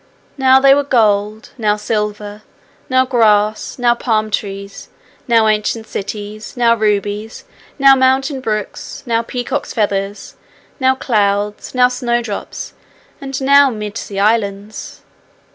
Now they were gold, now silver, now grass, now palm trees, now ancient cities, now rubies, now mountain brooks, now peacock's feathers, now clouds, now snowdrops, and now mid sea islands.